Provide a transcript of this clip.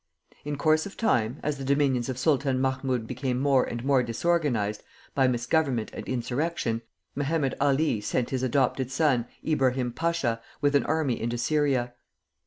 In course of time, as the dominions of Sultan Mahmoud became more and more disorganized by misgovernment and insurrection, Mehemet Ali sent his adopted son, Ibrahim Pasha, with an army into Syria.